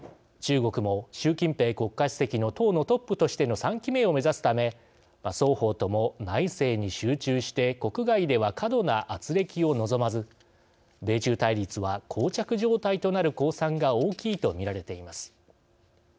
中国も習近平国家主席の党のトップとしての３期目を目指すため双方とも内政に集中して国外では過度なあつれきを望まず米中対立はこう着状態となる公算が大きいとみられています。